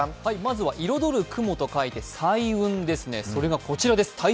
まずは彩る雲と書いて彩雲ですね、それがこちらです。